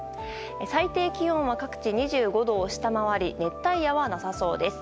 最低気温は各地２５度を下回り熱帯夜はなさそうです。